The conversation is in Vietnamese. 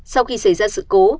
sau khi xảy ra sự cố